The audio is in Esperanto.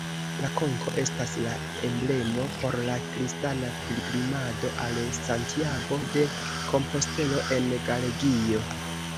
La konko estas la emblemo por la kristana pilgrimado al Santiago-de-Kompostelo en Galegio.